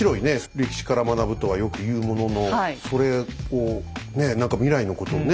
歴史から学ぶとはよく言うもののそれをねえ何か未来のことをね